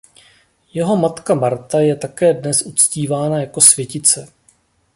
Jeho matka Marta je také dnes uctívána jako světice.